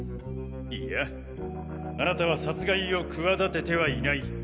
いやあなたは殺害を企ててはいない。